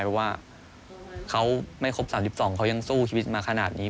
เพราะว่าเขาไม่ครบ๓๒เขายังสู้ชีวิตมาขนาดนี้